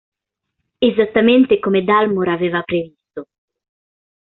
Esattamente come Dalmor aveva previsto.